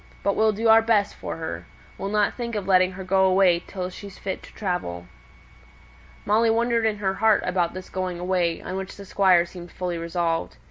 But we'll do our best for her. We'll not think of letting her go away till she's fit to travel." Molly wondered in her heart about this going away, on which the Squire seemed fully resolved.